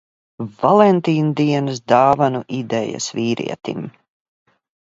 Valentīna dienas dāvanu idejas vīrietim.